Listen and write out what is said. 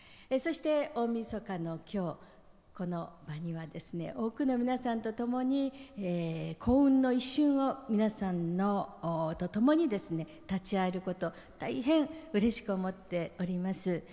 大みそかの今日、この場には多くの皆さんとともに幸運の一瞬を皆さんとともに立ち会えることを大変うれしく思っています。